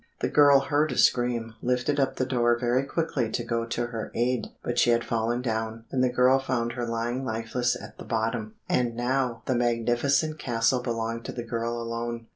The girl heard a scream, lifted up the door very quickly to go to her aid, but she had fallen down, and the girl found her lying lifeless at the bottom. And now the magnificent castle belonged to the girl alone.